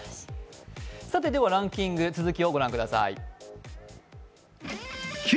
ではランキング、続きをご覧ください。